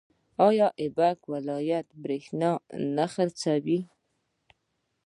آیا کیوبیک ولایت بریښنا نه خرڅوي؟